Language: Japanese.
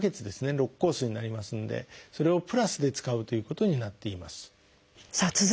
６コースになりますのでそれをプラスで使うということになっています。